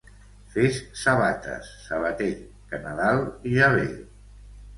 Fes sabates, sabater, que Nadal ja ve.